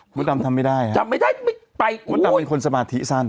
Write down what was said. พี่ตำทำไม่ได้ครับพี่ตำเป็นคนสมาธิสั้น